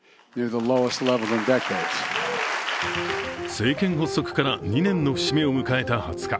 政権発足から２年の節目を迎えた２０日。